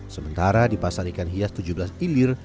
sementara di pasar ikan hias tujuh belas ilir